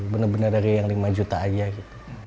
bener bener dari yang lima juta aja gitu